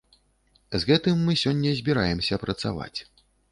З гэтым мы сёння збіраемся працаваць.